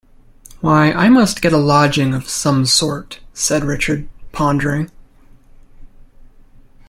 "Why, I must get a lodging of some sort," said Richard, pondering.